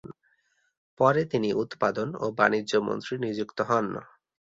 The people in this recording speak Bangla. পরে তিনি উৎপাদন ও বাণিজ্য মন্ত্রী নিযুক্ত হন।